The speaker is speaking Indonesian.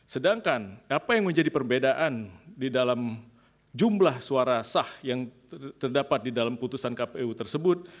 sedangkan apa yang menjadi perbedaan di dalam jumlah suara sah yang terdapat di dalam putusan kpu tersebut